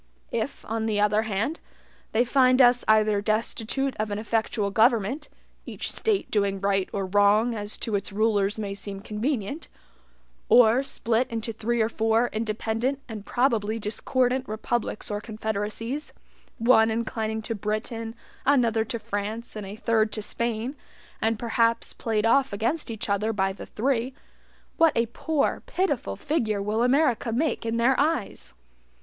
If, on the other hand, they find us either destitute of an effectual government (each State doing right or wrong, as to its rulers may seem convenient), or split into three or four independent and probably discordant republics or confederacies, one inclining to Britain, another to France, and a third to Spain, and perhaps played off against each other by the three, what a poor, pitiful figure will America make in their eyes!